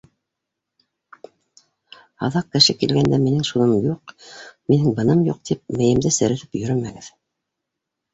Аҙаҡ, кеше килгәндә, минең шуным юҡ, минең быным юҡ, тип мейемде серетеп йөрөмәгеҙ.